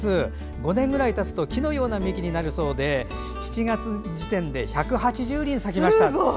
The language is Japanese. ５年くらいたつと木のような幹になるそうで７月時点で１８０輪、咲きました。